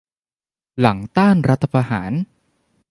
หลังต้านรัฐประหาร